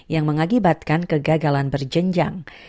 yang mengakibatkan kegagalan berjenjang